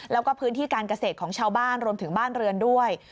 แล้วก็พื้นที่การเกษตรของชาวบ้านรวมถึงบ้านเรือนด้วย